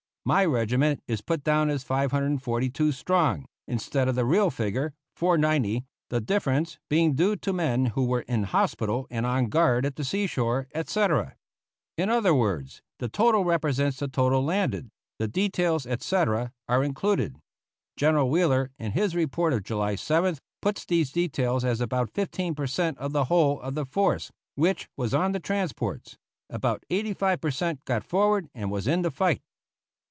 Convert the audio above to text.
My regiment is put down as 542 strong, instead of the real figure, 490, the difference being due to men who were in hospital and on guard at the seashore, etc. In other words, the total represents the total landed; the details, etc., are included. General Wheeler, in his report of July 7th, puts these details as about fifteen per cent of the whole of the force which was on the transports; about eighty five per cent got forward and was in the fight.